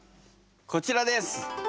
こちらです。